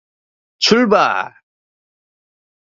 출발!